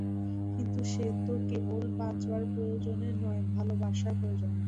কিন্তু সে তো কেবল বাঁচবার প্রয়োজনে নয়, ভালোবাসার প্রয়োজনে।